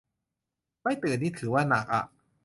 ไม่ตื่นนี่ถือว่าหนักอะ